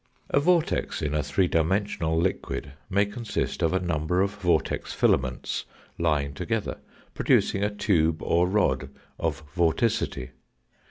A vortex in a three dimensional liquid may consist of a number of vortex filaments lying together producing a tube, or rod of vorticity.